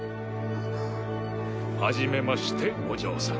ん？はじめましてお嬢さん。